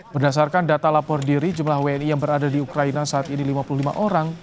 berdasarkan data lapor diri jumlah wni yang berada di ukraina saat ini lima puluh lima orang